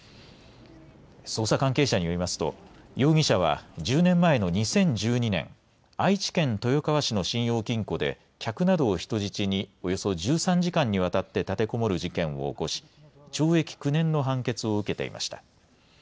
捜査関係者によりますと容疑者は１０年前の２０１２年、愛知県豊川市の信用金庫で客などを人質におよそ１３時間にわたって立てこもる事件を起こし懲役９年の判決を受けていました。